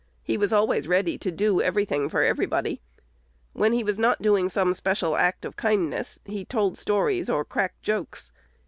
"He was always ready to do every thing for everybody." When he was not doing some special act of kindness, he told stories or "cracked jokes."